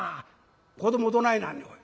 子どもどないなんねんおい。